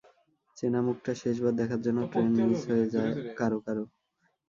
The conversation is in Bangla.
চেনা মুখটা শেষবার দেখার জন্য ট্রেন মিস হয়ে যায় কারও কারও।